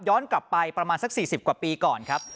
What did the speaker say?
กลับไปประมาณสัก๔๐กว่าปีก่อนครับ